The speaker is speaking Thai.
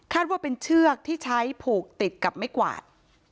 ว่าเป็นเชือกที่ใช้ผูกติดกับไม้กวาด